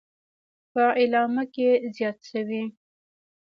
په اعلامیه کې زیاته شوې: